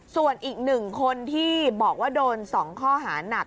ส่วนอีก๑คนที่บอกว่าโดน๒ข้อหานัก